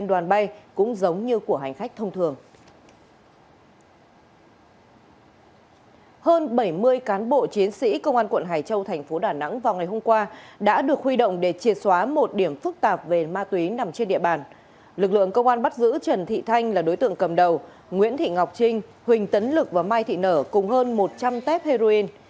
nguyễn thị ngọc trinh huỳnh tấn lực và mai thị nở cùng hơn một trăm linh tép heroin